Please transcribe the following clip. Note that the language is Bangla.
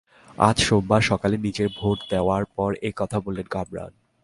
আজ সোমবার সকালে নিজের ভোট দেওয়ার পর এ কথা বলেন কামরান।